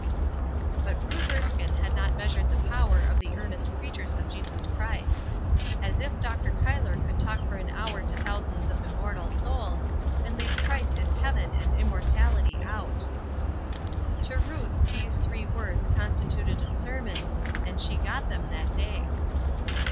But Ruth Erskine had not measured the power of the earnest preachers of Jesus Christ. As if Dr. Cuyler could talk for an hour to thousands of immortal souls, and leave Christ and heaven and immortality out. To Ruth these three words constituted a sermon, and she got them that day.